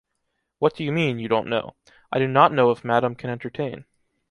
What do you mean, you don’t know? I do not know if madam can entertain.